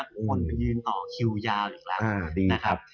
คนไปยืนต่อคิวยาวอีกแล้วนะครับ